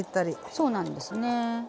そうなんですね。